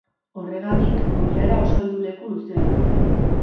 Horregatik, koilara oso helduleku luzea du.